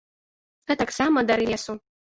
А таксама дары лесу.